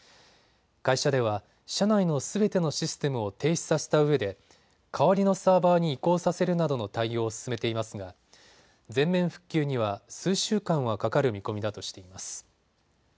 会社では社内のすべてのシステムを停止させたうえで代わりのサーバーに移行させるなどの対応を進めていますが全面復旧には先週間はかかる見込みだとしています。